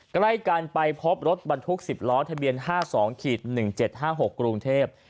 ใกล้กันไปพบรถบรรทุก๑๐ล้อทะเบียน๕๒๑๗๕๖กรุงเทพ